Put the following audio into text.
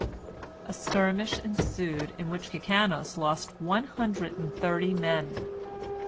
A skirmish ensued, in which Kikanos lost one hundred and thirty men.